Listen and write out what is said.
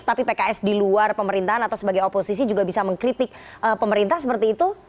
tapi pks di luar pemerintahan atau sebagai oposisi juga bisa mengkritik pemerintah seperti itu